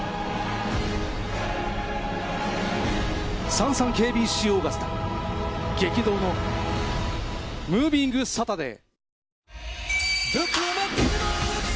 ＳａｎｓａｎＫＢＣオーガスタ、激動のムービングサタデー。